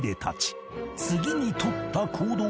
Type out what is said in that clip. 次に取った行動は